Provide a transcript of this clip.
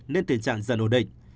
nên tình trạng dần ổn định